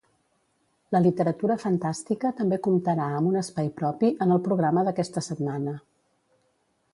La literatura fantàstica també comptarà amb un espai propi en el programa d'aquesta setmana.